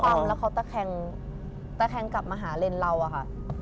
ใช่ค่ะแบบกว่ามมากแล้วเขาตาแข็งกลับมาหาเลนเราอะค่ะ